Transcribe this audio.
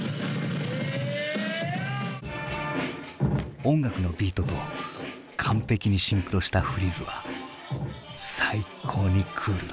音楽のビートと完璧にシンクロしたフリーズは最高にクールだ！